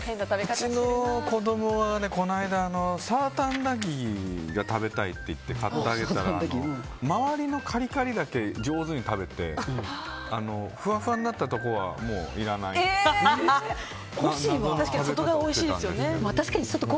うちの子供はこの間サーターアンダギーが食べたいって言って買ってあげたら周りのカリカリだけ上手に食べてふわふわになったところはもういらないっていう確かに外側おいしいですよね。